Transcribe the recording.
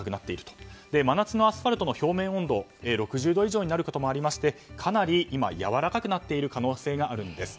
真夏のアスファルトの表面温度は６０度以上になるところもありましてかなりやわらかくなっている可能性があるんです。